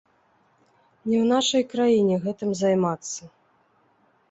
Не ў нашай краіне гэтым займацца.